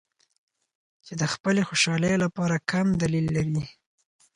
چې د خپلې خوشحالۍ لپاره کم دلیل لري.